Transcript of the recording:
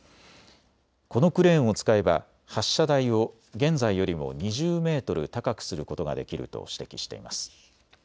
このクレーンを使えば発射台を現在よりも２０メートル高くすることができると指摘しています。